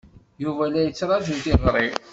Yuba la yettṛaju tiɣri.